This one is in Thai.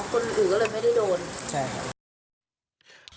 คนอื่นก็เลยไม่ได้โดนใช่ครับ